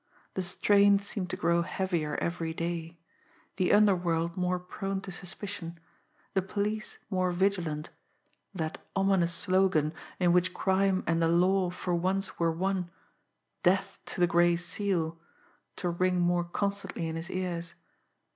The strain seemed to grow heavier every day the underworld more prone to suspicion; the police more vigilant; that ominous slogan, in which Crime and the Law for once were one, "Death to the Gray Seal!" to ring more constantly in his ears.